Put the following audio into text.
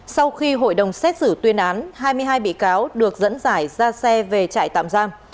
sau khi hội đồng xét xử tuyên án hai mươi hai bị cáo được dẫn giải ra xe về trại tạm giam